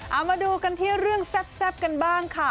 เอามาดูกันที่เรื่องแซ่บกันบ้างค่ะ